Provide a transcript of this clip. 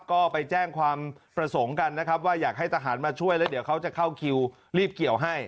ก็ไปแจ้งความประสงค์กันนะครับว่าอยากให้ทหารมาช่วยแล้วเดี๋ยวเขาจะเข้าคิวรีบเกี่ยวให้